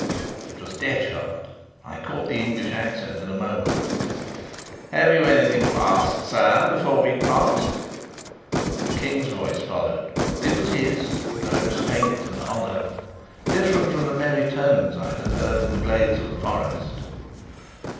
It was Detchard! I caught the English accent in a moment. "Have you anything to ask, sire, before we part?" The King's voice followed. It was his, though it was faint and hollow different from the merry tones I had heard in the glades of the forest.